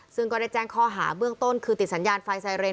ซึ่งก็ได้แจ้งข้อหาเบื้องต้นคือติดสัญญาณไฟไซเรน